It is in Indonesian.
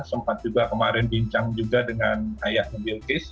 sempat juga kemarin bincang juga dengan ayahnya bilkis